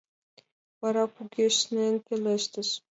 Вара кугешнен пелештыш: